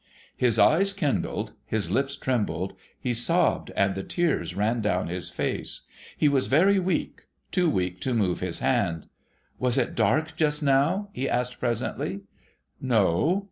His eyes kindled, his lips trembled, he sobbed, and the tears ran down his face. He was very weak, too weak to move his hand. ' Was it dark just now ?' he asked presently. 'No.'